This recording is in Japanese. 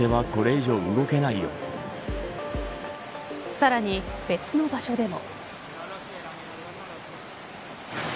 さらに、別の場所でも。